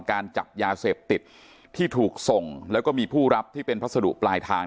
การจับยาเสพติดที่ถูกส่งแล้วก็มีผู้รับที่เป็นพัสดุปลายทาง